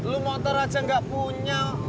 lu motor aja nggak punya